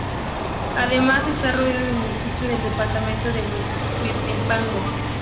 Además, está rodeado de municipios del departamento de Huehuetenango.